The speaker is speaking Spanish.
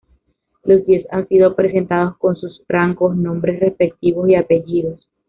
Los diez han sido presentados, con sus rangos, nombres respectivos y apellidos.